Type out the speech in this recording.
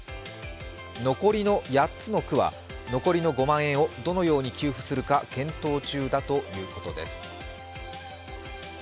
残りの８つの区は残りの５万円をどのように給付するか検討中だということです。